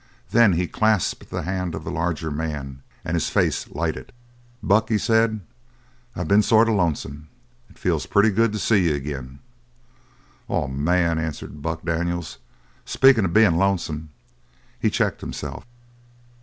Then he clasped the hand of the larger man, and his face lighted. "Buck," he said, "I been sort of lonesome. It feels pretty good to see you agin." "Oh man," answered Buck Daniels, "speakin' of bein' lonesome " He checked himself.